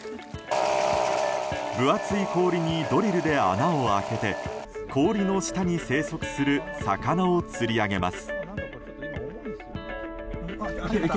分厚い氷にドリルで穴を開けて氷の下に生息する魚を釣り上げます。